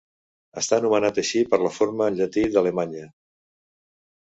Està nomenat així per la forma en llatí d'Alemanya.